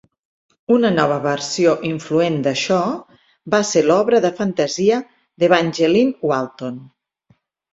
Una nova versió influent d'això va ser l'obra de fantasia d'Evangeline Walton.